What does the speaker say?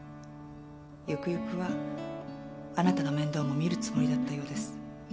ゆくゆくはあなたの面倒も見るつもりだったようです。